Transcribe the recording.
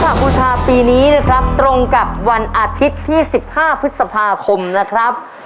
ขบูชาปีนี้นะครับตรงกับวันอาทิตย์ที่๑๕พฤษภาคมนะครับ